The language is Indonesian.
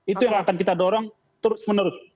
itu yang akan kita dorong terus menerus